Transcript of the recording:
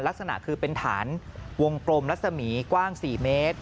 ลักษณะคือเป็นฐานวงกลมรัศมีกว้าง๔เมตร